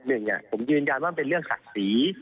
หนึ่งเนี่ยผมยืนยันว่าเป็นเรื่องขัดสี